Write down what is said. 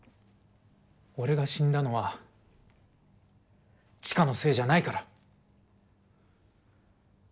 俺が死んだのは千佳のせいじゃないから。